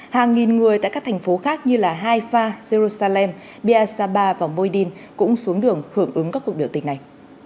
hàng nghìn người tại các thành phố khác như haifa jerusalem beersabah và moedin cũng xuống đường hưởng ứng các cuộc biểu tình này